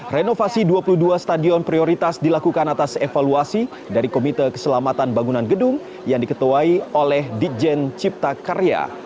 renovasi dua puluh dua stadion prioritas dilakukan atas evaluasi dari komite keselamatan bangunan gedung yang diketuai oleh dijen cipta karya